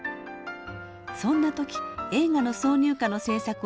そんな時映画の挿入歌の制作を依頼されます。